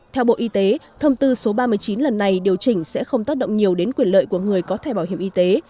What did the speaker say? theo bộ y tế thông tư số ba mươi chín lần này điều chỉnh sẽ không tác động nhiều đến quyền lợi của người có thẻ bảo hiểm y tế